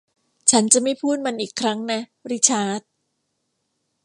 ฉันจะไม่พูดมันอีกครั้งนะริชาร์ด